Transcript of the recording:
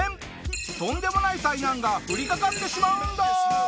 とんでもない災難が降りかかってしまうんだ！